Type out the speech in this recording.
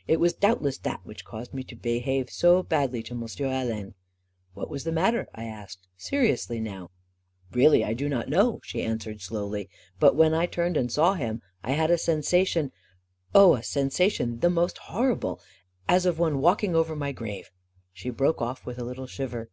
" It was doubtless that which caused me to behave so badly to M'sieu All*n." 44 What was the matter? " I asked. 44 Seriously, now I" 64 A KING IN BABYLON 44 Really, I do not know," she answered slowly. 44 But when I turned and saw him, I had a sensation — oh, a sensation the most horrible — as of one walking over my grave ..." She broke off with a little shiver.